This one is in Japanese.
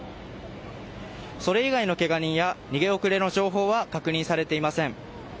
それ以外のけが人や逃げ遅れの情報は確認されていません。